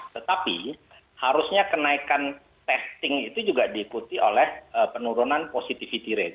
tetapi harusnya kenaikan testing itu juga diikuti oleh penurunan positivity rate